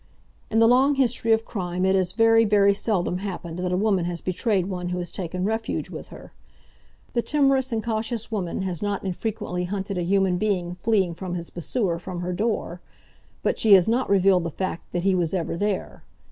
In the long history of crime it has very, very seldom happened that a woman has betrayed one who has taken refuge with her. The timorous and cautious woman has not infrequently hunted a human being fleeing from his pursuer from her door, but she has not revealed the fact that he was ever there.